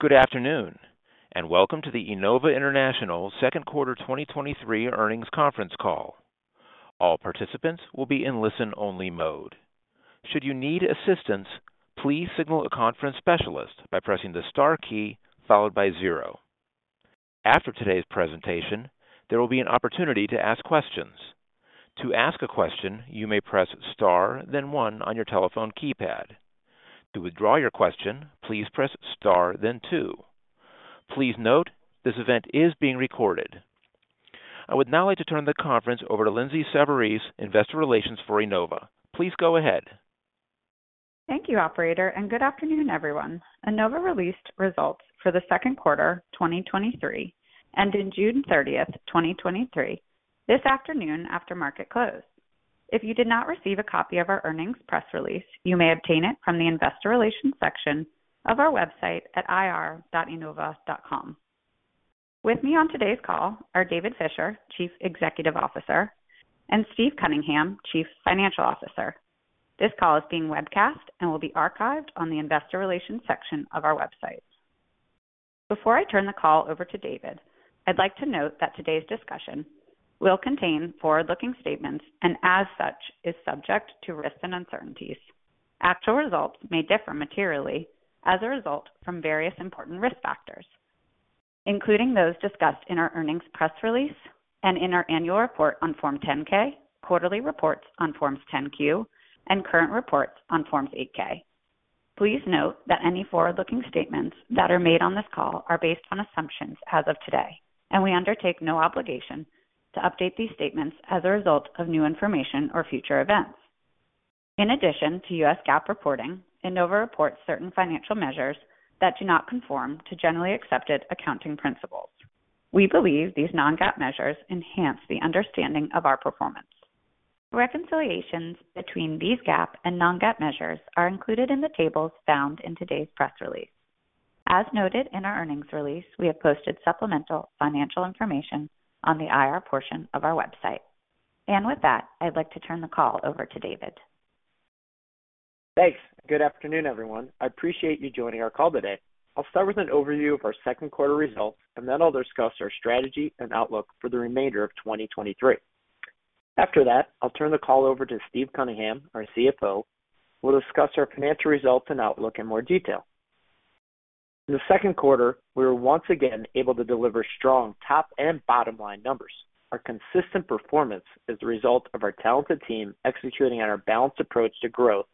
Good afternoon. Welcome to the Enova International Second Quarter 2023 Earnings Conference Call. All participants will be in listen-only mode. Should you need assistance, please signal a conference specialist by pressing the Star key followed by zero. After today's presentation, there will be an opportunity to ask questions. To ask a question, you may press Star then one on your telephone keypad. To withdraw your question, please press Star then two. Please note, this event is being recorded. I would now like to turn the conference over to Lindsay Savarese, Investor Relations for Enova. Please go ahead. Thank you, operator, and good afternoon, everyone. Enova released results for the second quarter 2023, ending June 30th, 2023, this afternoon after market close. If you did not receive a copy of our earnings press release, you may obtain it from the Investor Relations section of our website at ir.enova.com. With me on today's call are David Fisher, Chief Executive Officer, and Steve Cunningham, Chief Financial Officer. This call is being webcast and will be archived on the Investor Relations section of our website. Before I turn the call over to David, I'd like to note that today's discussion will contain forward-looking statements and, as such, is subject to risks and uncertainties. Actual results may differ materially as a result from various important risk factors, including those discussed in our earnings press release and in our annual report on Form 10-K, quarterly reports on Forms 10-Q, and current reports on Form 8-K. Please note that any forward-looking statements that are made on this call are based on assumptions as of today. We undertake no obligation to update these statements as a result of new information or future events. In addition to U.S. GAAP reporting, Enova reports certain financial measures that do not conform to generally accepted accounting principles. We believe these non-GAAP measures enhance the understanding of our performance. Reconciliations between these GAAP and non-GAAP measures are included in the tables found in today's press release. As noted in our earnings release, we have posted supplemental financial information on the IR portion of our website. With that, I'd like to turn the call over to David. Thanks. Good afternoon, everyone. I appreciate you joining our call today. I'll start with an overview of our second quarter results, and then I'll discuss our strategy and outlook for the remainder of 2023. After that, I'll turn the call over to Steve Cunningham, our CFO, who will discuss our financial results and outlook in more detail. In the second quarter, we were once again able to deliver strong top and bottom-line numbers. Our consistent performance is the result of our talented team executing on our balanced approach to growth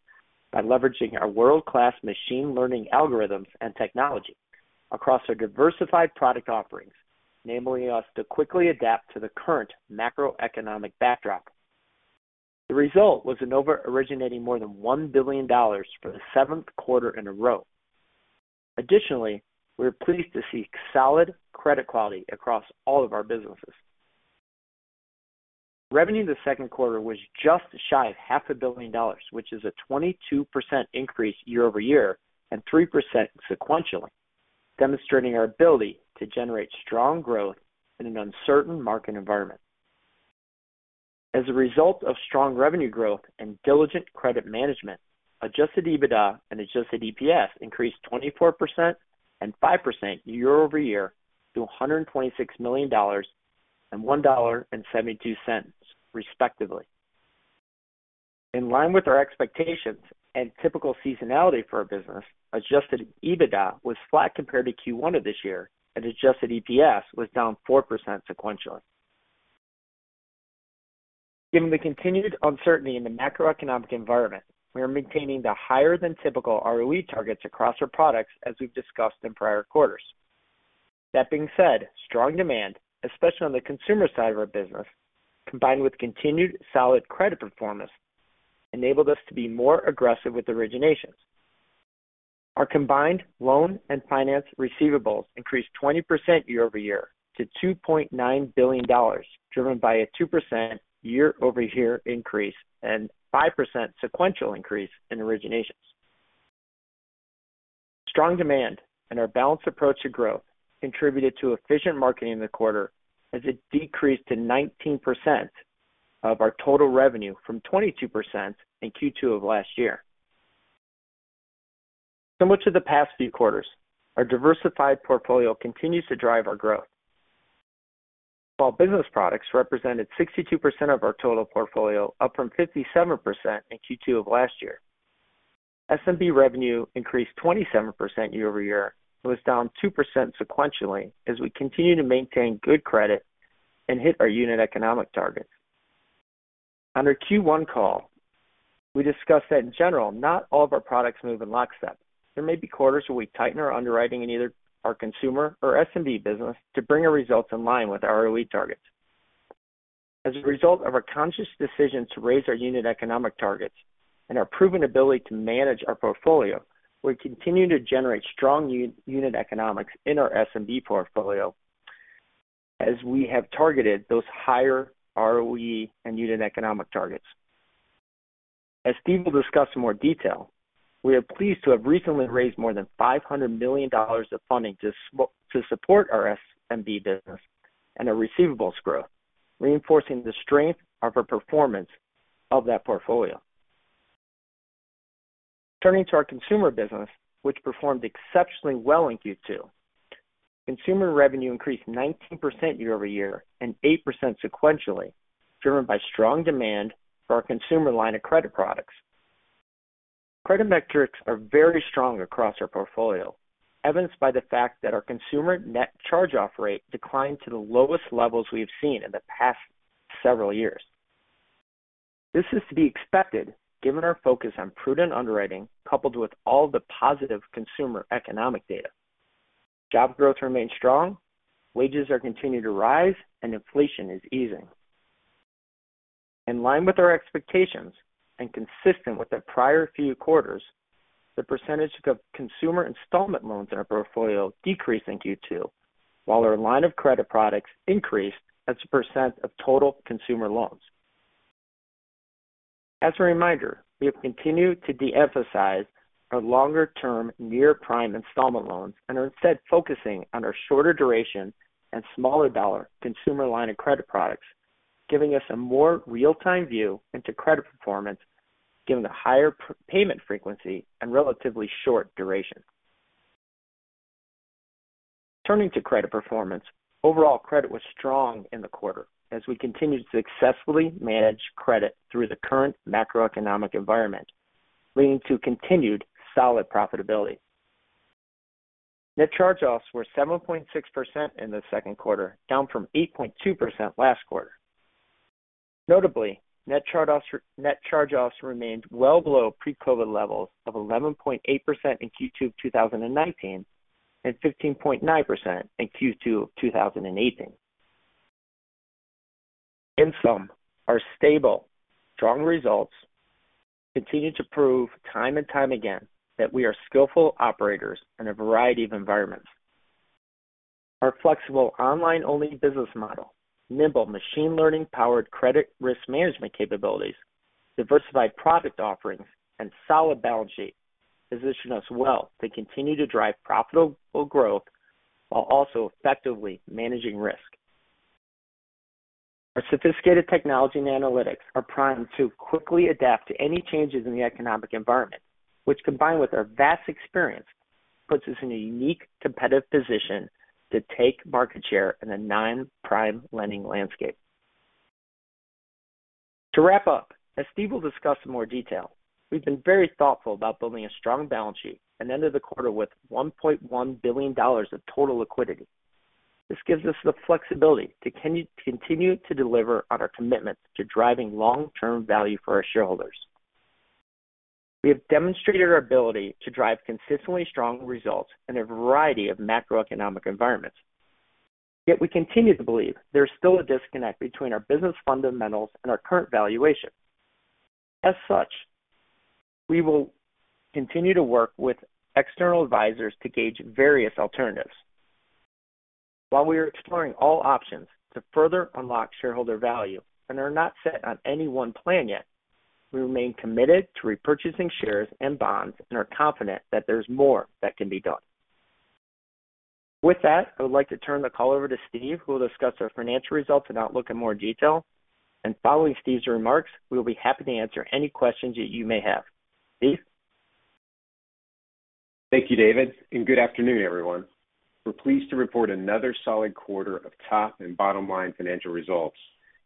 by leveraging our world-class machine learning algorithms and technology across our diversified product offerings, enabling us to quickly adapt to the current macroeconomic backdrop. The result was Enova originating more than $1 billion for the seventh quarter in a row. Additionally, we are pleased to see solid credit quality across all of our businesses. Revenue in the second quarter was just shy of half a billion dollars, which is a 22% increase year-over-year and 3% sequentially, demonstrating our ability to generate strong growth in an uncertain market environment. As a result of strong revenue growth and diligent credit management, Adjusted EBITDA and Adjusted EPS increased 24% and 5% year-over-year to $126 million and $1.72, respectively. In line with our expectations and typical seasonality for our business, Adjusted EBITDA was flat compared to Q1 of this year, and Adjusted EPS was down 4% sequentially. Given the continued uncertainty in the macroeconomic environment, we are maintaining the higher-than-typical ROE targets across our products, as we've discussed in prior quarters. That being said, strong demand, especially on the consumer side of our business, combined with continued solid credit performance, enabled us to be more aggressive with originations. Our combined loan and finance receivables increased 20% year-over-year to $2.9 billion, driven by a 2% year-over-year increase and 5% sequential increase in originations. Strong demand and our balanced approach to growth contributed to efficient marketing in the quarter, as it decreased to 19% of our total revenue from 22% in Q2 of last year. Much of the past few quarters, our diversified portfolio continues to drive our growth. While business products represented 62% of our total portfolio, up from 57% in Q2 of last year, SMB revenue increased 27% year-over-year and was down 2% sequentially as we continue to maintain good credit and hit our unit economic targets. On our Q1 call, we discussed that in general, not all of our products move in lockstep. There may be quarters where we tighten our underwriting in either our consumer or SMB business to bring our results in line with our ROE targets. As a result of our conscious decision to raise our unit economic targets and our proven ability to manage our portfolio, we continue to generate strong unit economics in our SMB portfolio as we have targeted those higher ROE and unit economic targets. As Steve will discuss in more detail, we are pleased to have recently raised more than $500 million of funding to support our SMB business and our receivables growth, reinforcing the strength of our performance of that portfolio. Turning to our consumer business, which performed exceptionally well in Q2. Consumer revenue increased 19% year-over-year and 8% sequentially, driven by strong demand for our consumer line of credit products. Credit metrics are very strong across our portfolio, evidenced by the fact that our consumer net charge-off rate declined to the lowest levels we have seen in the past several years. This is to be expected, given our focus on prudent underwriting, coupled with all the positive consumer economic data. Job growth remains strong, wages are continuing to rise, and inflation is easing. In line with our expectations and consistent with the prior few quarters, the percentage of consumer installment loans in our portfolio decreased in Q2, while our line of credit products increased as a % of total consumer loans. As a reminder, we have continued to de-emphasize our longer-term near-prime installment loans and are instead focusing on our shorter duration and smaller dollar consumer line of credit products, giving us a more real-time view into credit performance, given the higher payment frequency and relatively short duration. Turning to credit performance, overall credit was strong in the quarter as we continued to successfully manage credit through the current macroeconomic environment, leading to continued solid profitability. Net charge-offs were 7.6% in the second quarter, down from 8.2% last quarter. Notably, net charge-offs remained well below pre-COVID levels of 11.8% in Q2 of 2019, and 15.9% in Q2 of 2018. Our stable, strong results continue to prove time and time again that we are skillful operators in a variety of environments. Our flexible online-only business model, nimble machine learning-powered credit risk management capabilities, diversified product offerings, and solid balance sheet position us well to continue to drive profitable growth while also effectively managing risk. Our sophisticated technology and analytics are primed to quickly adapt to any changes in the economic environment, which, combined with our vast experience, puts us in a unique competitive position to take market share in a non-prime lending landscape. To wrap up, as Steve will discuss in more detail, we've been very thoughtful about building a strong balance sheet and ended the quarter with $1.1 billion of total liquidity. This gives us the flexibility to continue to deliver on our commitment to driving long-term value for our shareholders. We have demonstrated our ability to drive consistently strong results in a variety of macroeconomic environments, yet we continue to believe there is still a disconnect between our business fundamentals and our current valuation. As such, we will continue to work with external advisors to gauge various alternatives. While we are exploring all options to further unlock shareholder value and are not set on any one plan yet, we remain committed to repurchasing shares and bonds and are confident that there's more that can be done. With that, I would like to turn the call over to Steve, who will discuss our financial results and outlook in more detail. Following Steve's remarks, we will be happy to answer any questions that you may have. Steve? Thank you, David. Good afternoon, everyone. We're pleased to report another solid quarter of top and bottom-line financial results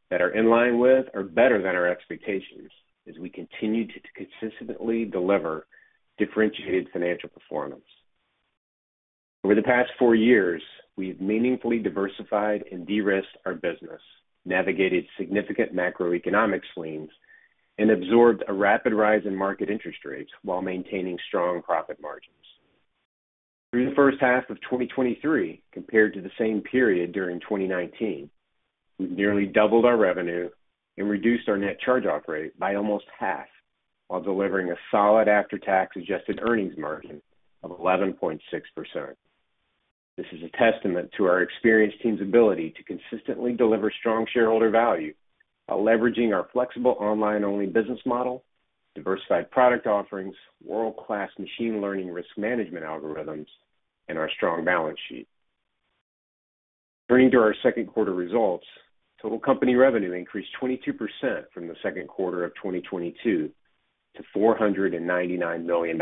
that are in line with or better than our expectations, as we continue to consistently deliver differentiated financial performance. Over the past 4 years, we've meaningfully diversified and de-risked our business, navigated significant macroeconomic swings, and absorbed a rapid rise in market interest rates while maintaining strong profit margins. Through the first half of 2023, compared to the same period during 2019, we've nearly doubled our revenue and reduced our net charge-off rate by almost half, while delivering a solid after-tax adjusted earnings margin of 11.6%. This is a testament to our experienced team's ability to consistently deliver strong shareholder value while leveraging our flexible online-only business model, diversified product offerings, world-class machine learning risk management algorithms, and our strong balance sheet. Turning to our second quarter results, total company revenue increased 22% from the second quarter of 2022 to $499 million.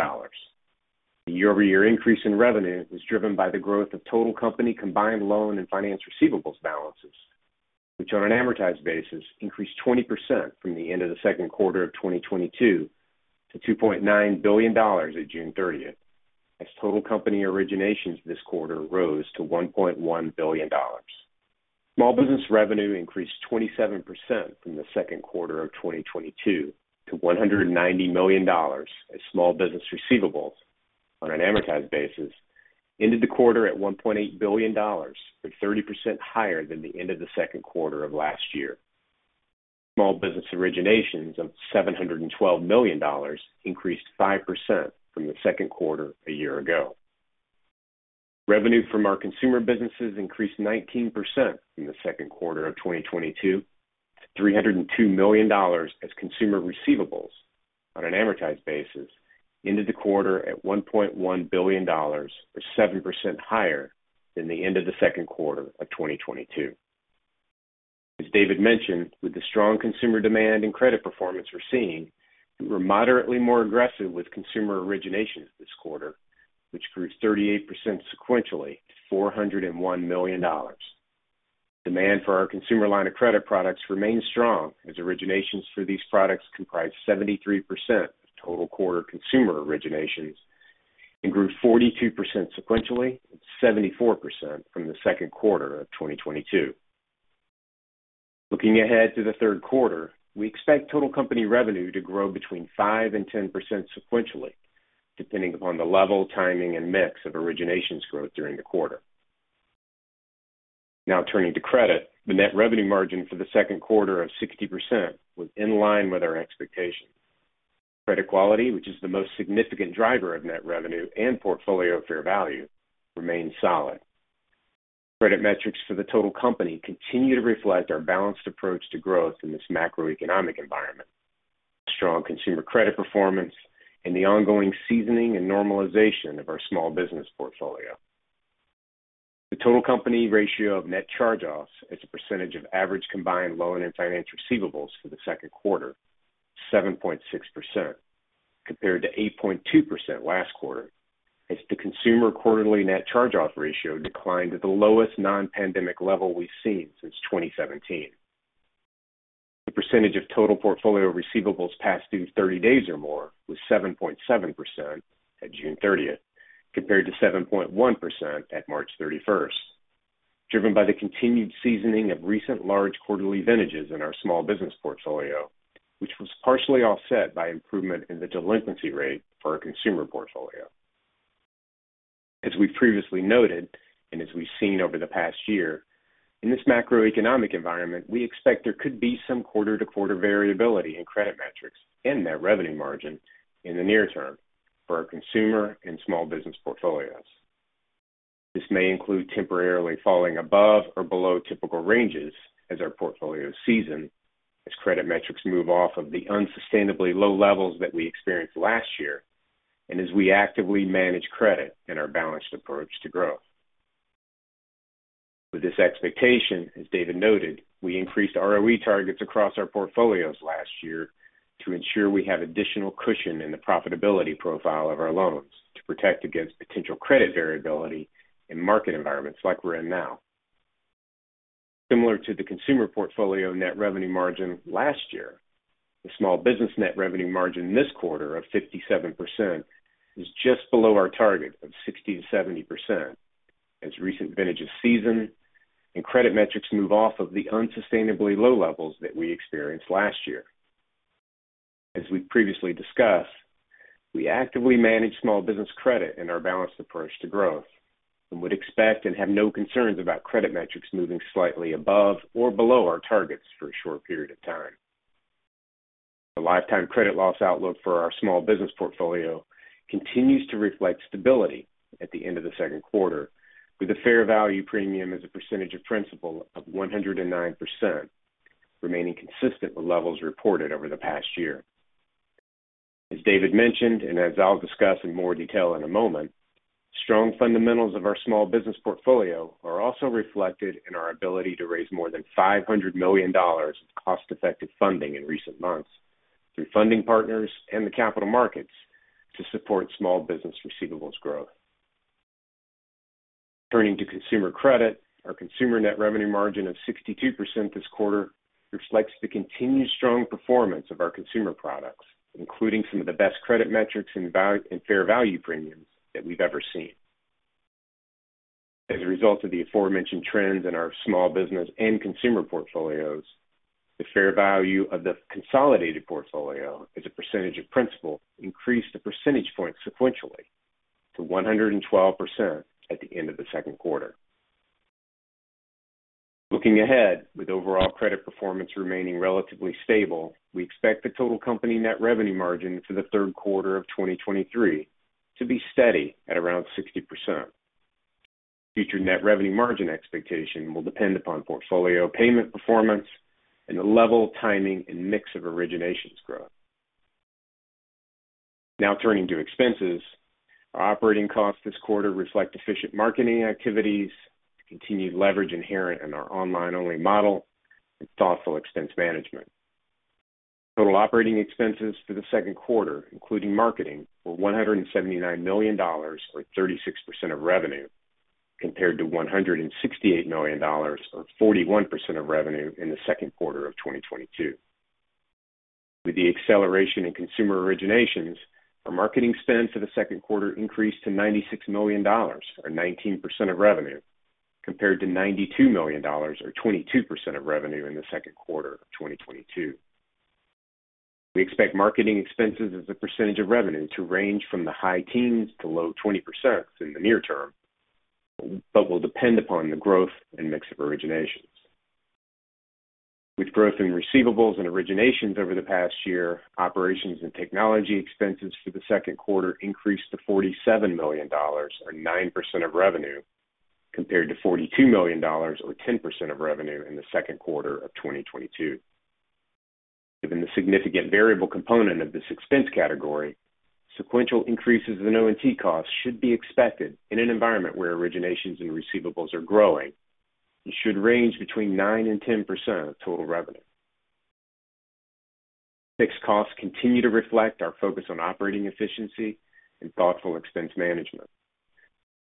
The year-over-year increase in revenue was driven by the growth of total company combined loan and finance receivables balances, which, on an amortized basis, increased 20% from the end of the second quarter of 2022 to $2.9 billion at June 30th, as total company originations this quarter rose to $1.1 billion. Small business revenue increased 27% from the second quarter of 2022 to $190 million, as small business receivables on an amortized basis ended the quarter at $1.8 billion, or 30% higher than the end of the second quarter of last year. Small business originations of $712 million increased 5% from the second quarter a year ago. Revenue from our consumer businesses increased 19% from the second quarter of 2022 to $302 million, as consumer receivables on an amortized basis ended the quarter at $1.1 billion, or 7% higher than the end of the second quarter of 2022. As David mentioned, with the strong consumer demand and credit performance we're seeing, we were moderately more aggressive with consumer originations this quarter, which grew 38% sequentially to $401 million. Demand for our consumer line of credit products remains strong, as originations for these products comprised 73% of total quarter consumer originations and grew 42% sequentially, and 74% from the second quarter of 2022. Looking ahead to the third quarter, we expect total company revenue to grow between 5% and 10% sequentially, depending upon the level, timing, and mix of originations growth during the quarter. Turning to credit. The net revenue margin for the second quarter of 60% was in line with our expectations. Credit quality, which is the most significant driver of net revenue and portfolio fair value, remains solid. Credit metrics for the total company continue to reflect our balanced approach to growth in this macroeconomic environment, strong consumer credit performance, and the ongoing seasoning and normalization of our small business portfolio. The total company ratio of net charge-offs as a percentage of average combined loan and finance receivables for the second quarter, 7.6%, compared to 8.2% last quarter, as the consumer quarterly net charge-off ratio declined to the lowest non-pandemic level we've seen since 2017. The percentage of total portfolio receivables past due 30 days or more was 7.7% at June 30th, compared to 7.1% at March 31st, driven by the continued seasoning of recent large quarterly vintages in our small business portfolio, which was partially offset by improvement in the delinquency rate for our consumer portfolio. As we've previously noted, and as we've seen over the past year, in this macroeconomic environment, we expect there could be some quarter-to-quarter variability in credit metrics and net revenue margin in the near term for our consumer and small business portfolios. This may include temporarily falling above or below typical ranges as our portfolios season, as credit metrics move off of the unsustainably low levels that we experienced last year, and as we actively manage credit in our balanced approach to growth. With this expectation, as David noted, we increased ROE targets across our portfolios last year to ensure we have additional cushion in the profitability profile of our loans to protect against potential credit variability in market environments like we're in now. Similar to the consumer portfolio net revenue margin last year, the small business net revenue margin this quarter of 57% is just below our target of 60%-70%, as recent vintages season and credit metrics move off of the unsustainably low levels that we experienced last year. As we've previously discussed, we actively manage small business credit in our balanced approach to growth and would expect and have no concerns about credit metrics moving slightly above or below our targets for a short period of time. The lifetime credit loss outlook for our small business portfolio continues to reflect stability at the end of the second quarter, with a fair value premium as a percentage of principal of 109% remaining consistent with levels reported over the past year. As David mentioned, and as I'll discuss in more detail in a moment, strong fundamentals of our small business portfolio are also reflected in our ability to raise more than $500 million of cost-effective funding in recent months through funding partners and the capital markets to support small business receivables growth. Turning to consumer credit, our consumer net revenue margin of 62% this quarter reflects the continued strong performance of our consumer products, including some of the best credit metrics and value and fair value premiums that we've ever seen. As a result of the aforementioned trends in our small business and consumer portfolios, the fair value of the consolidated portfolio as a percentage of principal increased a percentage point sequentially to 112% at the end of the second quarter. Looking ahead, with overall credit performance remaining relatively stable, we expect the total company net revenue margin for the third quarter of 2023 to be steady at around 60%. Future net revenue margin expectation will depend upon portfolio payment performance and the level, timing, and mix of originations growth. Turning to expenses. Our operating costs this quarter reflect efficient marketing activities, the continued leverage inherent in our online-only model, and thoughtful expense management. Total operating expenses for the second quarter, including marketing, were $179 million, or 36% of revenue, compared to $168 million, or 41% of revenue, in the second quarter of 2022. With the acceleration in consumer originations, our marketing spend for the second quarter increased to $96 million, or 19% of revenue, compared to $92 million, or 22% of revenue, in the second quarter of 2022. We expect marketing expenses as a percentage of revenue to range from the high teens to low 20% in the near term, but will depend upon the growth and mix of originations. With growth in receivables and originations over the past year, operations and technology expenses for the second quarter increased to $47 million, or 9% of revenue, compared to $42 million, or 10% of revenue, in the second quarter of 2022. Given the significant variable component of this expense category, sequential increases in O&T costs should be expected in an environment where originations and receivables are growing and should range between 9% and 10% of total revenue. Fixed costs continue to reflect our focus on operating efficiency and thoughtful expense management.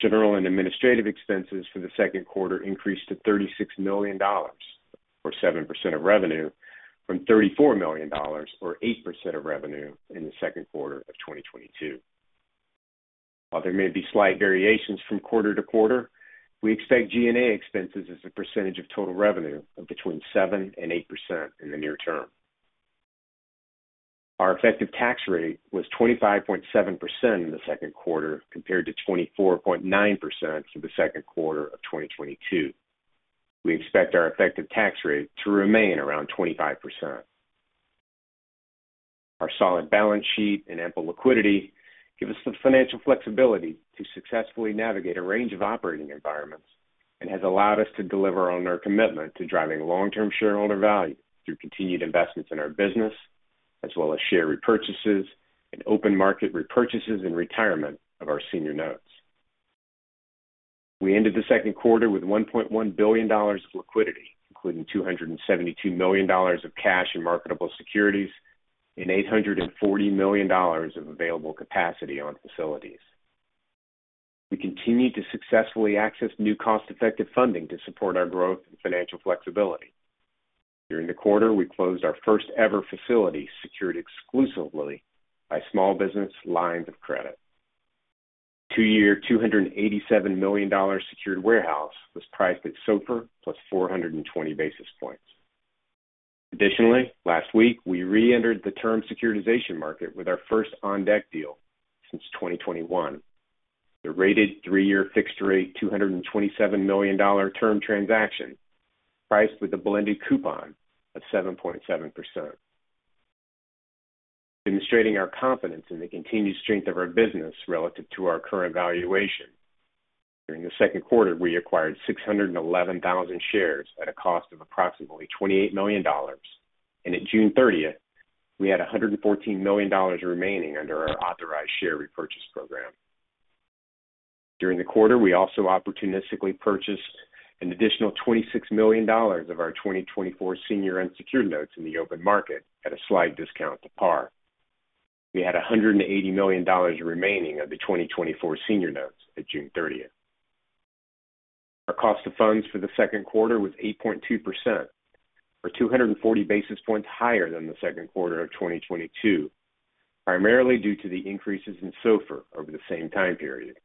General and administrative expenses for the second quarter increased to $36 million, or 7% of revenue, from $34 million, or 8% of revenue, in the second quarter of 2022. While there may be slight variations from quarter to quarter, we expect G&A expenses as a percentage of total revenue of between 7% and 8% in the near term. Our effective tax rate was 25.7% in the second quarter, compared to 24.9% for the second quarter of 2022. We expect our effective tax rate to remain around 25%. Our solid balance sheet and ample liquidity give us the financial flexibility to successfully navigate a range of operating environments, and has allowed us to deliver on our commitment to driving long-term shareholder value through continued investments in our business, as well as share repurchases and open market repurchases and retirement of our senior notes. We ended the second quarter with $1.1 billion of liquidity, including $272 million of cash and marketable securities, and $840 million of available capacity on facilities. We continued to successfully access new cost-effective funding to support our growth and financial flexibility. During the quarter, we closed our first-ever facility, secured exclusively by small business lines of credit. 2-year, $287 million secured warehouse was priced at SOFR plus 420 basis points. Additionally, last week, we reentered the term securitization market with our first OnDeck deal since 2021. The rated 3-year fixed rate, $227 million term transaction, priced with a blended coupon of 7.7%. Demonstrating our confidence in the continued strength of our business relative to our current valuation. During the second quarter, we acquired 611,000 shares at a cost of approximately $28 million, and at June 30th, we had $114 million remaining under our authorized share repurchase program. During the quarter, we also opportunistically purchased an additional $26 million of our 2024 senior unsecured notes in the open market at a slight discount to par. We had $180 million remaining of the 2024 senior notes at June 30th. Our cost of funds for the second quarter was 8.2%, or 240 basis points higher than the second quarter of 2022, primarily due to the increases in SOFR over the same time period.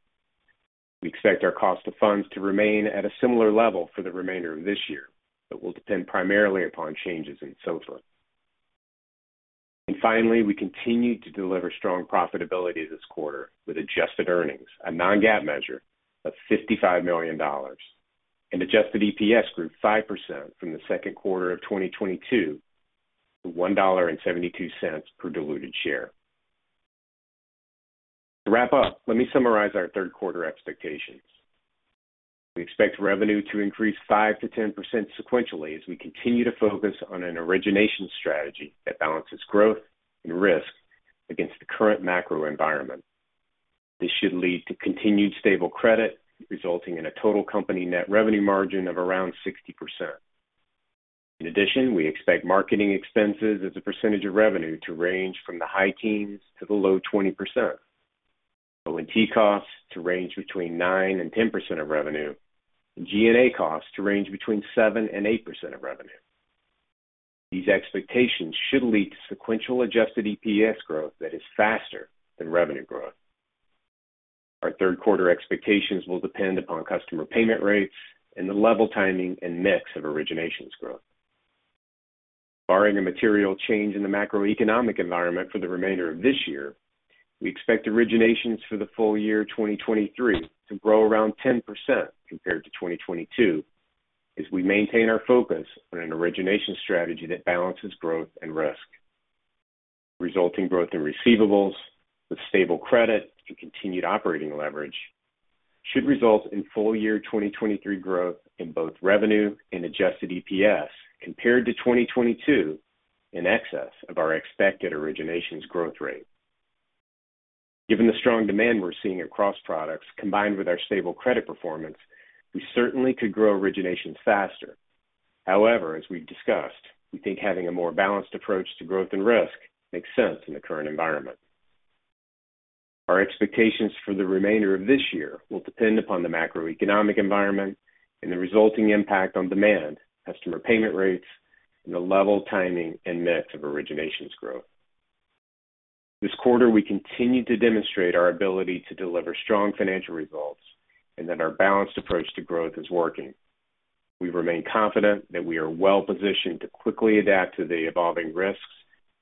We expect our cost of funds to remain at a similar level for the remainder of this year, but will depend primarily upon changes in SOFR. Finally, we continued to deliver strong profitability this quarter with adjusted earnings, a non-GAAP measure of $55 million, andAdjusted EPS grew 5% from the second quarter of 2022 to $1.72 per diluted share. To wrap up, let me summarize our third quarter expectations. We expect revenue to increase 5%-10% sequentially as we continue to focus on an origination strategy that balances growth and risk against the current macro environment. This should lead to continued stable credit, resulting in a total company net revenue margin of around 60%. In addition, we expect marketing expenses as a percentage of revenue to range from the high teens to the low 20%, O&T costs to range between 9% and 10% of revenue, and G&A costs to range between 7% and 8% of revenue. These expectations should lead to sequential Adjusted EPS growth that is faster than revenue growth. Our third quarter expectations will depend upon customer payment rates and the level, timing, and mix of originations growth. Barring a material change in the macroeconomic environment for the remainder of this year, we expect originations for the full year 2023 to grow around 10% compared to 2022, as we maintain our focus on an origination strategy that balances growth and risk. Resulting growth in receivables with stable credit and continued operating leverage should result in full year 2023 growth in both revenue and adjusted EPS compared to 2022 in excess of our expected originations growth rate. Given the strong demand we're seeing across products, combined with our stable credit performance, we certainly could grow originations faster. However, as we've discussed, we think having a more balanced approach to growth and risk makes sense in the current environment. Our expectations for the remainder of this year will depend upon the macroeconomic environment and the resulting impact on demand, customer payment rates, and the level, timing, and mix of originations growth. This quarter, we continued to demonstrate our ability to deliver strong financial results and that our balanced approach to growth is working. We remain confident that we are well-positioned to quickly adapt to the evolving risks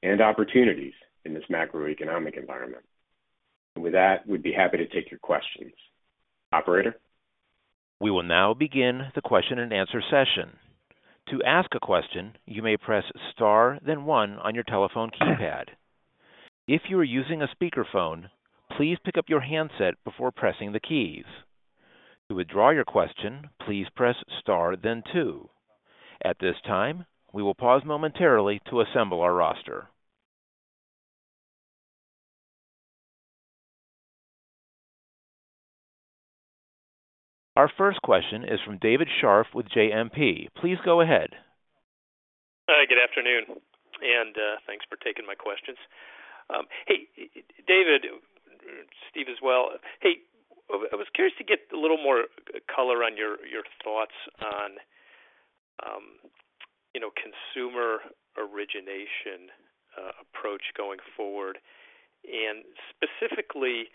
and opportunities in this macroeconomic environment. With that, we'd be happy to take your questions. Operator? We will now begin the question-and-answer session. To ask a question, you may press star, then one on your telephone keypad. If you are using a speakerphone, please pick up your handset before pressing the keys. To withdraw your question, please press star, then two. At this time, we will pause momentarily to assemble our roster. Our first question is from David Scharf with JMP. Please go ahead. Hi, good afternoon, and thanks for taking my questions. Hey, David, Steve as well. Hey, I was curious to get a little more color on your thoughts on, you know, consumer origination approach going forward. Specifically,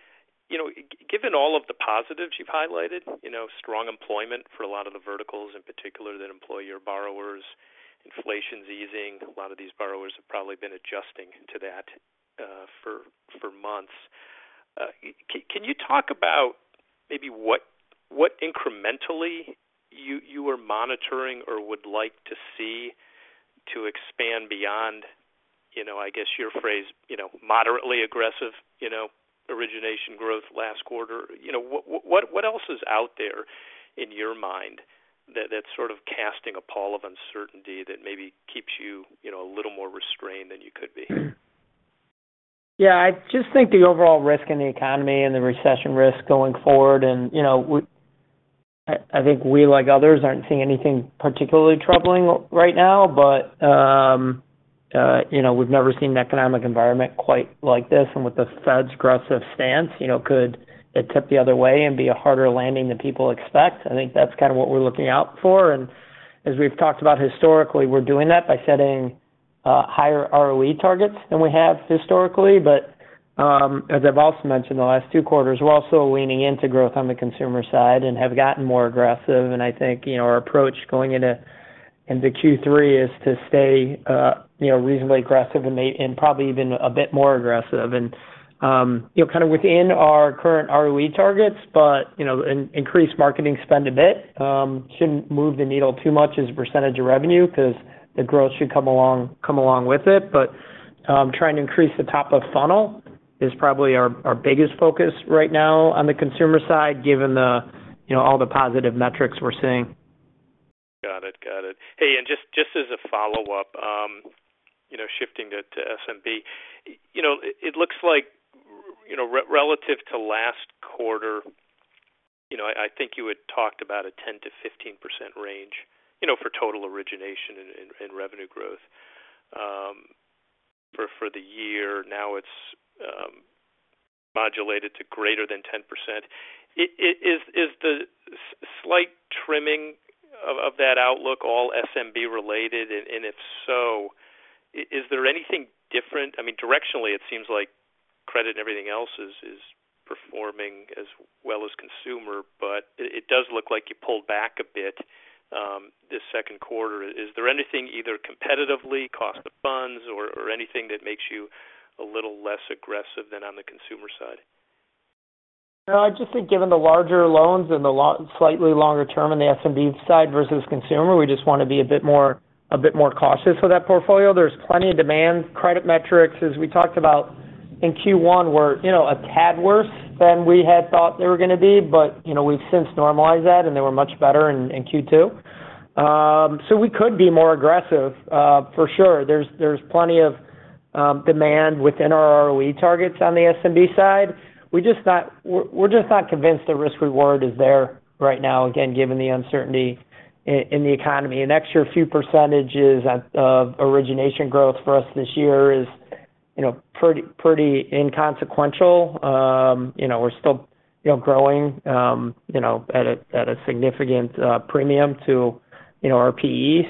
you know, given all of the positives you've highlighted, you know, strong employment for a lot of the verticals, in particular, that employ your borrowers. Inflation's easing. A lot of these borrowers have probably been adjusting to that for months. Can you talk about maybe what incrementally you are monitoring or would like to see to expand beyond, you know, I guess your phrase, you know, moderately aggressive, you know, origination growth last quarter? You know, what else is out there in your mind that's, sort of, casting a pall of uncertainty that maybe keeps you know, a little more restrained than you could be? Yeah, I just think the overall risk in the economy and the recession risk going forward, and, you know, I think we, like others, aren't seeing anything particularly troubling right now. You know, we've never seen an economic environment quite like this, and with the Fed's aggressive stance, you know, could it tip the other way and be a harder landing than people expect? I think that's kind of what we're looking out for. As we've talked about historically, we're doing that by setting higher ROE targets than we have historically. As I've also mentioned, the last two quarters, we're also leaning into growth on the consumer side and have gotten more aggressive. I think, you know, our approach going into Q3 is to stay, you know, reasonably aggressive and probably even a bit more aggressive. You know, kind of within our current ROE targets, but, you know, increase marketing spend a bit, shouldn't move the needle too much as a % of revenue because the growth should come along with it. Trying to increase the top of funnel is probably our biggest focus right now on the consumer side, given the, you know, all the positive metrics we're seeing. Got it. Just as a follow-up, you know, shifting to SMB. You know, it looks like, you know, relative to last quarter, you know, I think you had talked about a 10%-15% range, you know, for total origination and revenue growth for the year. Now it's modulated to greater than 10%. Is the slight trimming of that outlook all SMB related? If so, is there anything different? I mean, directionally, it seems like credit and everything else is performing as well as consumer, but it does look like you pulled back a bit this second quarter. Is there anything, either competitively, cost of funds or anything that makes you a little less aggressive than on the consumer side? I just think given the larger loans and the slightly longer term on the SMB side versus consumer, we just want to be a bit more cautious with that portfolio. There's plenty of demand. Credit metrics, as we talked about in Q1, were, you know, a tad worse than we had thought they were going to be, but, you know, we've since normalized that, and they were much better in Q2. We could be more aggressive for sure. There's plenty of demand within our ROE targets on the SMB side. We're just not convinced the risk reward is there right now, again, given the uncertainty in the economy. An extra few % of origination growth for us this year is, you know, pretty inconsequential. we're still growing at a significant premium to our PE.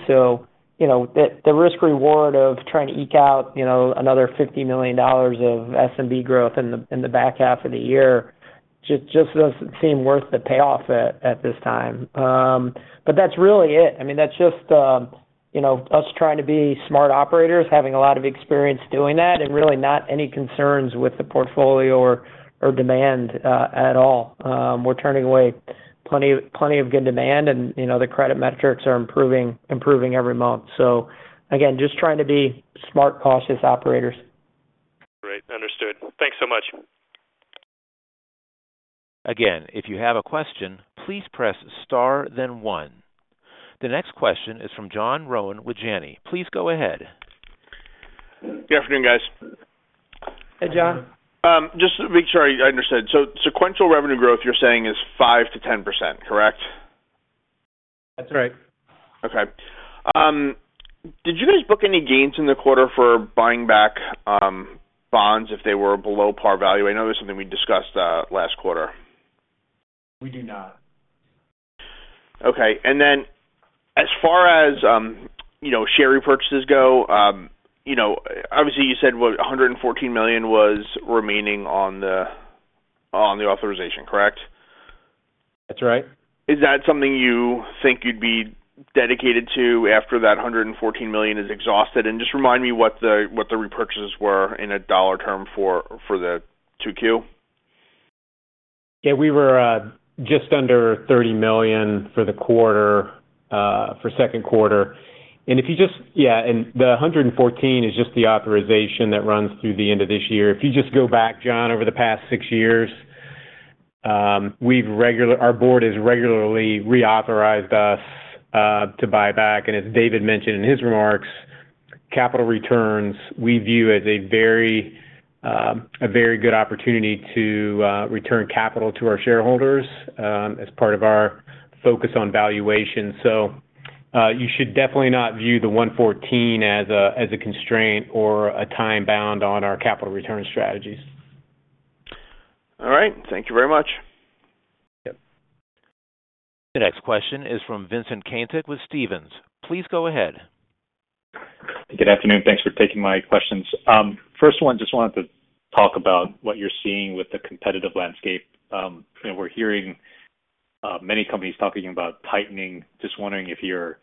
The risk reward of trying to eke out another $50 million of SMB growth in the back half of the year just doesn't seem worth the payoff at this time. That's really it. I mean, that's just us trying to be smart operators, having a lot of experience doing that and really not any concerns with the portfolio or demand at all. We're turning away plenty of good demand, the credit metrics are improving every month. Again, just trying to be smart, cautious operators. Great, understood. Thanks so much. Again, if you have a question, please press star, then one. The next question is from John Rowan with Janney. Please go ahead. Good afternoon, guys. Hey, John. Just to make sure I understood. Sequential revenue growth you're saying is 5%-10%, correct? That's right. Okay. Did you guys book any gains in the quarter for buying back bonds if they were below par value? I know this is something we discussed last quarter. We do not. Okay. As far as, you know, share repurchases go, you know, obviously, you said, what, $114 million was remaining on the authorization, correct? That's right. Is that something you think you'd be dedicated to after that $114 million is exhausted? Just remind me what the repurchases were in a dollar term for the 2Q? Yeah, we were just under $30 million for the quarter, for second quarter. Yeah, and the 114 is just the authorization that runs through the end of this year. If you just go back, John, over the past 6 years, our board has regularly reauthorized us to buy back. As David mentioned in his remarks, capital returns, we view as a very, a very good opportunity to return capital to our shareholders, as part of our focus on valuation. You should definitely not view the 114 as a, as a constraint or a time bound on our capital return strategies. All right. Thank you very much. Yep. The next question is from Vincent Caintic with Stephens. Please go ahead. Good afternoon. Thanks for taking my questions. first one, just wanted to talk about what you're seeing with the competitive landscape. you know, we're hearing, many companies talking about tightening. Just wondering if you're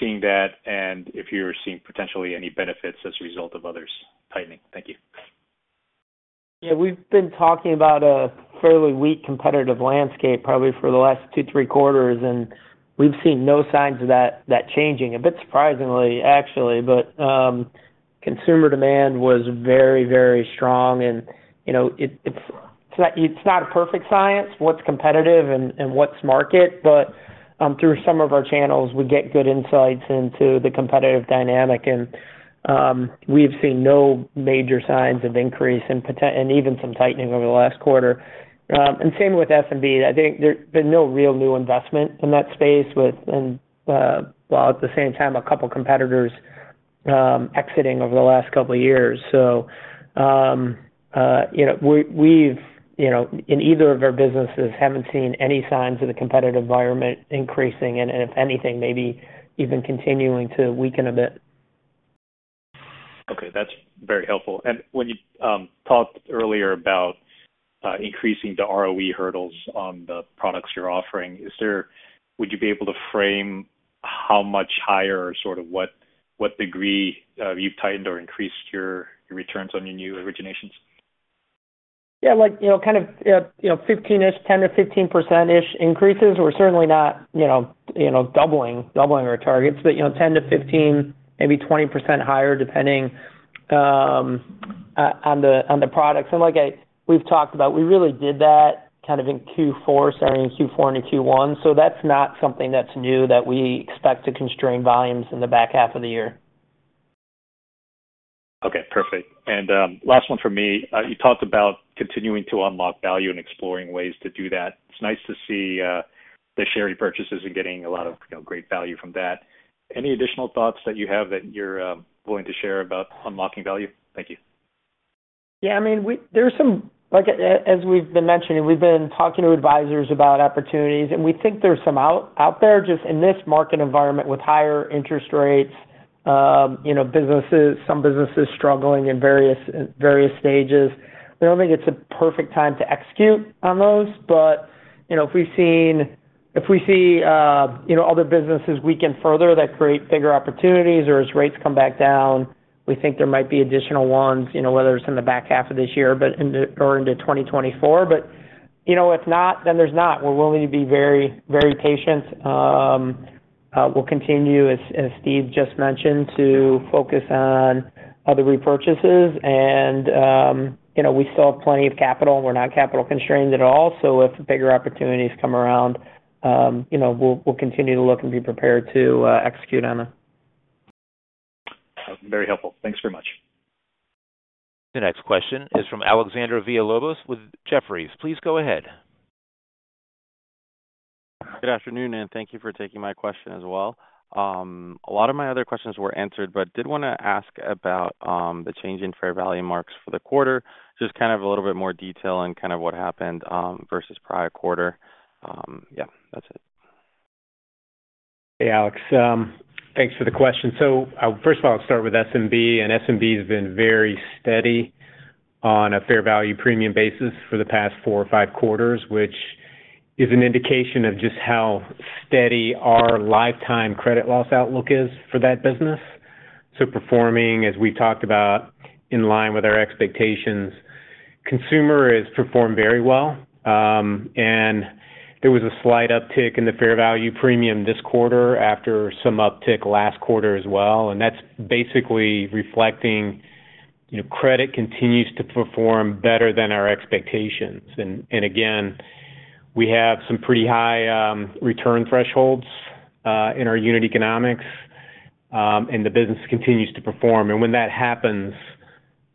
seeing that and if you're seeing potentially any benefits as a result of others tightening. Thank you. Yeah, we've been talking about a fairly weak competitive landscape probably for the last two, three quarters. We've seen no signs of that changing, a bit surprisingly, actually. Consumer demand was very, very strong and, you know, it's, it's not a perfect science, what's competitive and what's market, but through some of our channels, we get good insights into the competitive dynamic. We've seen no major signs of increase and even some tightening over the last quarter. Same with SMB. I think there's been no real new investment in that space with, and while at the same time, a couple competitors, exiting over the last couple of years. you know, we've you know, in either of our businesses, haven't seen any signs of the competitive environment increasing, and if anything, maybe even continuing to weaken a bit. Okay, that's very helpful. When you talked earlier about increasing the ROE hurdles on the products you're offering, would you be able to frame how much higher or sort of what degree you've tightened or increased your returns on your new originations? Yeah, like, you know, kind of, you know, 15-ish, 10%-15%-ish increases. We're certainly not, you know, doubling our targets, but, you know, 10%-15%, maybe 20% higher, depending on the products. Like we've talked about, we really did that kind of in Q4, starting in Q4 into Q1. That's not something that's new that we expect to constrain volumes in the back half of the year. Okay, perfect. Last one for me. You talked about continuing to unlock value and exploring ways to do that. It's nice to see the share repurchases are getting a lot of, you know, great value from that. Any additional thoughts that you have that you're willing to share about unlocking value? Thank you. Yeah, I mean, there are some like, as we've been mentioning, we've been talking to advisors about opportunities, and we think there's some out there just in this market environment with higher interest rates, you know, businesses, some businesses struggling in various stages. I don't think it's a perfect time to execute on those, you know, if we see, you know, other businesses weaken further, that create bigger opportunities or as rates come back down, we think there might be additional ones, you know, whether it's in the back half of this year, into or into 2024. You know, if not, then there's not. We're willing to be very, very patient. We'll continue, as Steve just mentioned, to focus on other repurchases and, you know, we still have plenty of capital. We're not capital constrained at all. If bigger opportunities come around, you know, we'll continue to look and be prepared to execute on them. Very helpful. Thanks very much. The next question is from Alexander Villalobos with Jefferies. Please go ahead. Good afternoon, thank you for taking my question as well. A lot of my other questions were answered, did want to ask about the change in fair value marks for the quarter. Just kind of a little bit more detail on kind of what happened versus prior quarter. Yeah, that's it. Hey, Alex. Thanks for the question. First of all, I'll start with SMB, and SMB has been very steady on a fair value premium basis for the past four or five quarters, which is an indication of just how steady our lifetime credit loss outlook is for that business. Performing, as we talked about, in line with our expectations. Consumer has performed very well, and there was a slight uptick in the fair value premium this quarter after some uptick last quarter as well, and that's basically reflecting, you know, credit continues to perform better than our expectations. Again, we have some pretty high return thresholds in our unit economics, and the business continues to perform. When that happens,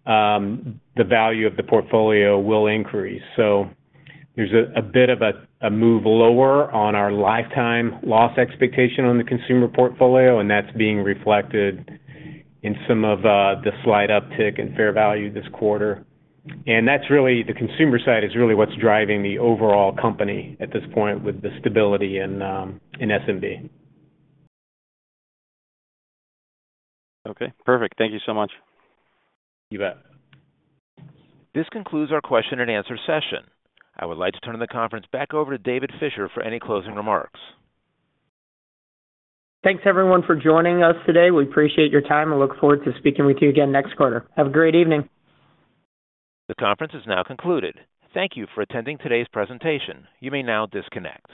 the value of the portfolio will increase. There's a bit of a move lower on our lifetime loss expectation on the consumer portfolio, that's being reflected in some of the slight uptick in fair value this quarter. That's really, the consumer side is really what's driving the overall company at this point with the stability in SMB. Okay, perfect. Thank you so much. You bet. This concludes our question and answer session. I would like to turn the conference back over to David Fisher for any closing remarks. Thanks, everyone, for joining us today. We appreciate your time and look forward to speaking with you again next quarter. Have a great evening. The conference is now concluded. Thank you for attending today's presentation. You may now disconnect.